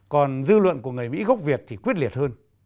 còn dư luận của người mỹ gốc việt thì quyết liệt hơn